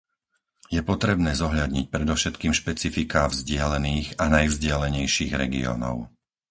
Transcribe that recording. Je potrebné zohľadniť predovšetkým špecifiká vzdialených a najvzdialenejších regiónov.